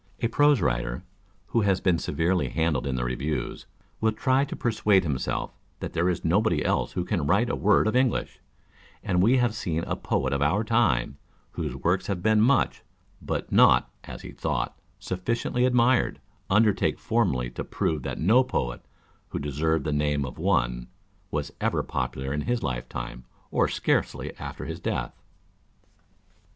A prose writer, who has been severely handled in the Ke views, will try to persuade himself that there is nobody else who can write a word of English : and we have seen a poet of our time, whose works have been much, but not (as he thought) sufficiently admired, undertake formally to prove that no poet, who deserved the name of one, > 282 On the Qualifications Necessary was ever popular in his lifetime, or scarcely after his death